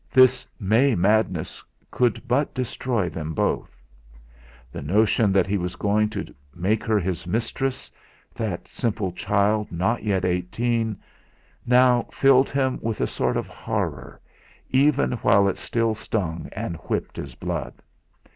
This May madness could but destroy them both! The notion that he was going to make her his mistress that simple child not yet eighteen now filled him with a sort of horror, even while it still stung and whipped his blood.